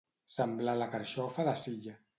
Semblar la carxofa de Silla.